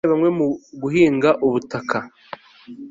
kandi bamwe mu guhinga ubutaka